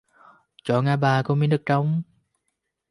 chỗ ngã ba có miếng đất trống